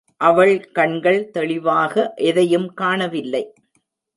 அவள் கண்கள் தெளிவாக எதையும் காண வில்லை.